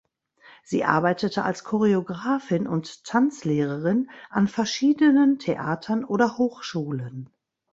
Sie arbeitete als Choreografin und Tanzlehrerin an verschiedenen Theatern oder Hochschulen.